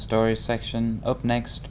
tiếp theo chương trình xin mời quý khán giả